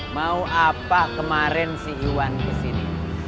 mau apa kemarin si yuan kesini